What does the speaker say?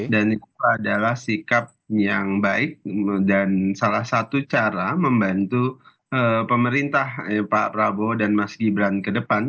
dan itu adalah sikap yang baik dan salah satu cara membantu pemerintah pak prabowo dan mas gibran ke depan